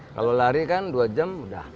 kalau lari kan dua jam udah